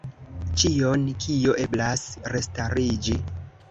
Ĉion, kio eblas restariĝi.